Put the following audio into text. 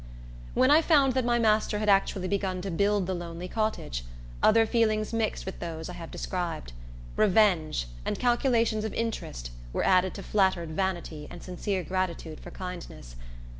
When I found that my master had actually begun to build the lonely cottage, other feelings mixed with those I have described. Revenge, and calculations of interest, were added to flattered vanity and sincere gratitude for kindness.